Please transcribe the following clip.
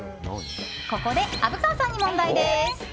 ここで、虻川さんに問題です！